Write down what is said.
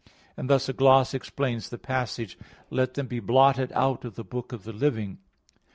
And thus a gloss explains the passage: "Let them be blotted out of the book of the living."